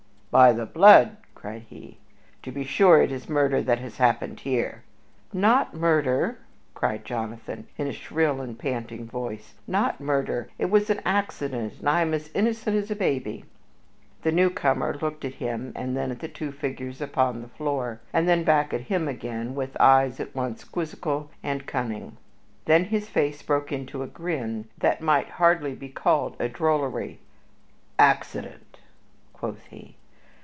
"By the blood!" cried he, "to be sure it is murder that has happened here." "Not murder!" cried Jonathan, in a shrill and panting voice. "Not murder! It was all an accident, and I am as innocent as a baby." The newcomer looked at him and then at the two figures upon the floor, and then back at him again with eyes at once quizzical and cunning. Then his face broke into a grin that might hardly be called of drollery. "Accident!" quoth he.